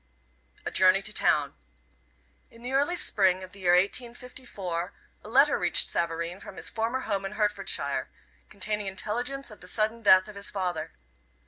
A JOURNEY TO TOWN. In the early spring of the year 1854 a letter reached Savareen from his former home in Hertfordshire, containing intelligence of the sudden death of his father.